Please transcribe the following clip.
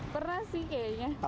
pernah sih kayaknya